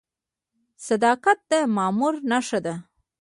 صداقت د مامور نښه ده؟